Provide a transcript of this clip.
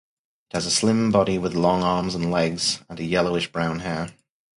It has a slim body with long arms and legs and a yellowish-brown hair.